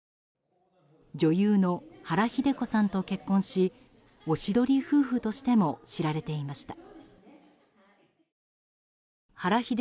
女優の原日出子さんと結婚しおしどり夫婦としても知られていました。